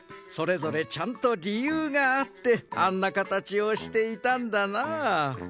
それぞれちゃんとりゆうがあってあんなかたちをしていたんだなあ。